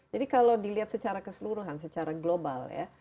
jadi kalau dilihat secara keseluruhan secara global ya